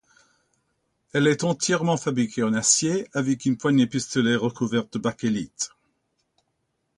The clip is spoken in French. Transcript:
Elle est entièrement fabriquée en acier avec une poignée-pistolet recouverte de bakélite.